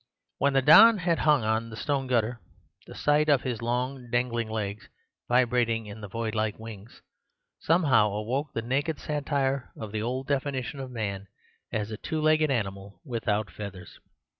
When the don had hung on the stone gutter, the sight of his long dangling legs, vibrating in the void like wings, somehow awoke the naked satire of the old definition of man as a two legged animal without feathers.